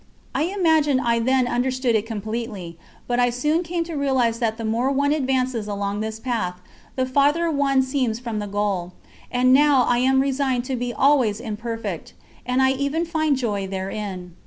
I imagined I then understood it completely, but I soon came to realise that the more one advances along this path the farther one seems from the goal, and now I am resigned to be always imperfect, and I even find joy therein.